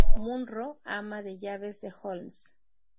Munro, ama de llaves de Holmes.